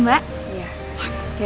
siap ya mbak